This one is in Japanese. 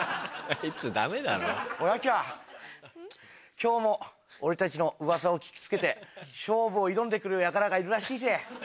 今日も俺たちのうわさを聞き付けて勝負を挑んで来るやからがいるらしいぜ。